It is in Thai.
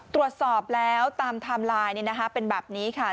ตรวจสอบแล้วตามไทม์ไลน์เป็นแบบนี้ค่ะ